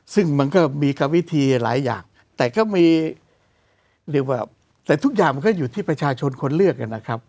ซึ่งมันก็มีกวิธีหลายอย่างแต่ก็มีเรียกว่าแต่ทุกอย่างมันก็อยู่ที่ประชาชนคนเลือกกันนะครับ